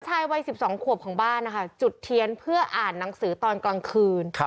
ชายวัย๑๒ขวบของบ้านนะคะจุดเทียนเพื่ออ่านหนังสือตอนกลางคืน